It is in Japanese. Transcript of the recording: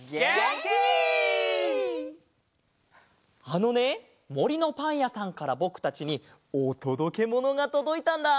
あのねもりのパンやさんからぼくたちにおとどけものがとどいたんだ！